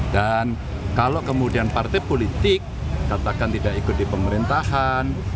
dan kalau kemudian partai politik katakan tidak ikut di pemerintahan